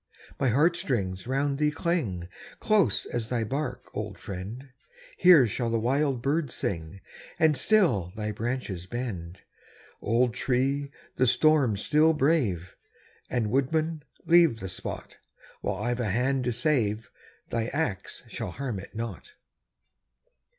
My heart strings round thee cling, Close as thy bark, old friend! Here shall the wild bird sing, And still thy branches bend. Old tree! the storm still brave! And, woodman, leave the spot; While I've a hand to save, thy axe shall harm it not.